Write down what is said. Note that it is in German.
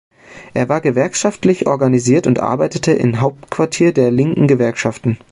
Er war gewerkschaftlich organisiert und arbeitete im Hauptquartier der linken Gewerkschaften.